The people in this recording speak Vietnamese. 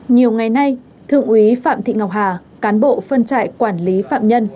nhiều ngày nay thượng úy phạm thị ngọc hà cán bộ phân trại quản lý phạm nhân